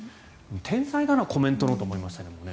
天才だな、コメントのと思いましたけどね。